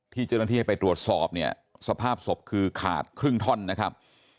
เจ้าหน้าที่ให้ไปตรวจสอบเนี่ยสภาพศพคือขาดครึ่งท่อนนะครับ